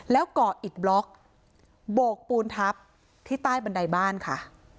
แล้วก่ออิดบล็อกโบกปูนทับที่ใต้บันไดบ้านค่ะ